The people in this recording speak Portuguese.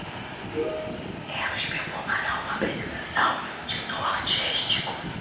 Elas performarão uma apresentação de nu artístico